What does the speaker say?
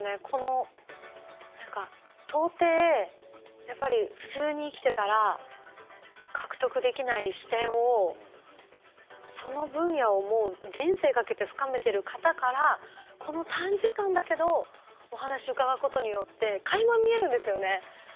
この何か到底やっぱり普通に生きてたら獲得できない視点をその分野をもう人生懸けて深めてる方からこの短時間だけどお話伺うことによってかいま見えるんですよね。